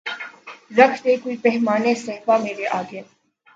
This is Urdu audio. رکھ دے کوئی پیمانۂ صہبا مرے آگے